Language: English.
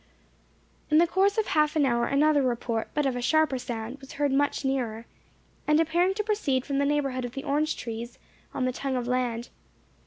In the course of half an hour another report, but of a sharper sound, was heard much nearer, and appearing to proceed from the neighbourhood of the orange trees, on the tongue of land.